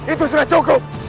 itu sudah cukup